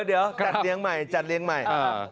เดี๋ยวจัดเลี้ยงใหม่จัดเลี้ยงใหม่